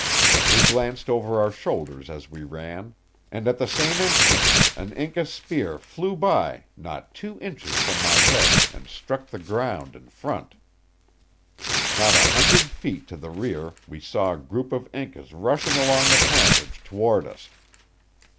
We glanced over our shoulders as we ran, and at the same instant an Inca spear flew by not two inches from my head and struck the ground in front. Not a hundred feet to the rear we saw a group of Incas rushing along the passage toward us.